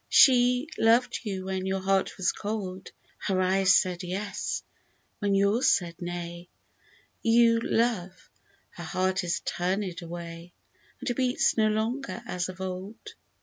She loved you when your heart was cold, Her eyes said "yes " when yours said nay," You love, — her heart is turn'd away And beats no longer as of old